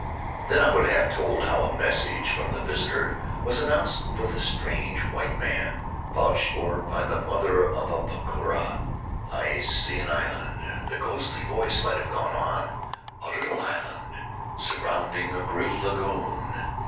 Then I would have told how a message from the visitor was announced — for the strange white man vouched for by the mother of Apakura. "I see an island," the ghostly voice might have gone on — "a little land surrounding a great lagoon.